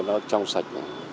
nó trong sạch